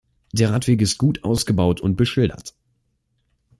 Der Radweg ist gut ausgebaut und beschildert.